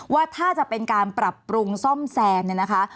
ว่าถ้าจะเป็นการปรับปรุงซ่อมแซมเนี่ยนะคะ